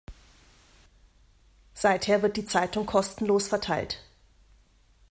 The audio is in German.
Seither wird die Zeitung kostenlos verteilt.